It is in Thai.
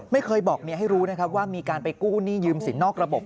ไม่เคยบอกเมียให้รู้นะครับว่ามีการไปกู้หนี้ยืมสินนอกระบบ